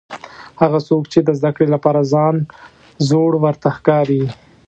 هغه څوک چې د زده کړې لپاره ځان زوړ ورته ښکاري.